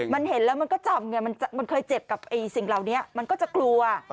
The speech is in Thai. มันเห็นแล้วมันก็จำไงมันเคยเจ็บกับสิ่งเหล่านี้มันก็จะกลัว